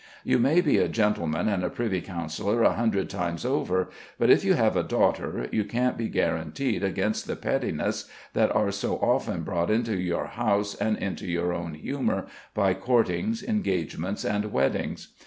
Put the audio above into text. You may be a gentleman and a privy councillor a hundred times over; but if you have a daughter you can't be guaranteed against the pettinesses that are so often brought into your house and into your own humour, by courtings, engagements, and weddings.